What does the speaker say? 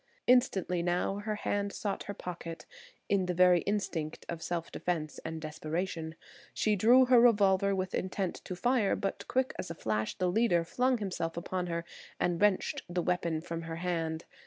Instantly now her hand sought her pocket, in the very instinct of self defense and desperation; she drew her revolver with intent to fire, but quick as flash the leader flung himself upon her and wrenched the weapon from her hand.